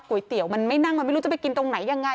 เตี๋ยวมันไม่นั่งมันไม่รู้จะไปกินตรงไหนยังไง